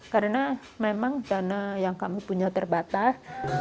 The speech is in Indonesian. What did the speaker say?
karena memang dana yang kami punya terbatas